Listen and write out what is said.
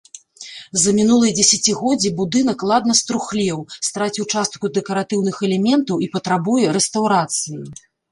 За мінулыя дзесяцігоддзі будынак ладна струхлеў, страціў частку дэкаратыўных элементаў і патрабуе рэстаўрацыі.